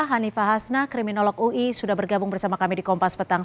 hanifa hasna kriminolog ui sudah bergabung bersama kami di kompas petang